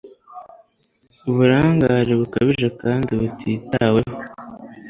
Uburangare bukabije kandi butitaweho